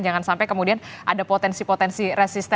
jangan sampai kemudian ada potensi potensi resistensi